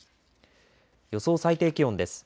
予想最低気温です。